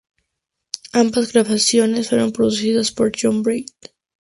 Ambas grabaciones fueron producidas por John Braden.